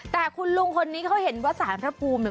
แต่คุณลุงคนนี้เขาเห็นว่าสารพระภูมิเนี่ย